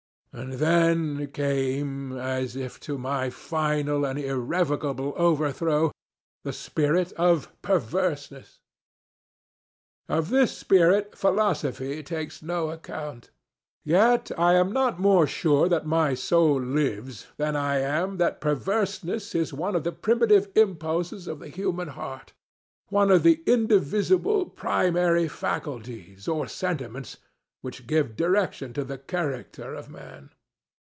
And then came, as if to my final and irrevocable overthrow, the spirit of PERVERSENESS. Of this spirit philosophy takes no account. Yet I am not more sure that my soul lives, than I am that perverseness is one of the primitive impulses of the human heartŌĆöone of the indivisible primary faculties, or sentiments, which give direction to the character of Man.